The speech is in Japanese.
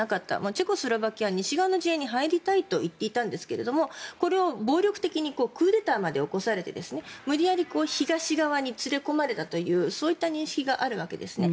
チェコスロバキアは西側の陣営に入りたいと言っていたんですがこれを暴力的にクーデターまで起こされて無理やり東側に連れ込まれたというそういった認識があるんですね。